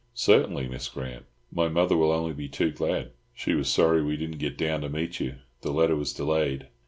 "Certainly, Miss Grant. My mother will only be too glad. She was sorry that we did not get down to meet you. The letter was delayed."